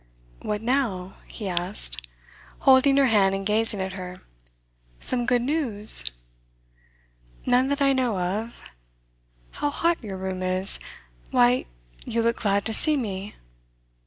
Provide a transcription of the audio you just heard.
'What now?' he asked, holding her hand and gazing at her. 'Some good news?' 'None that I know of. How hot your room is! Why, you look glad to see me!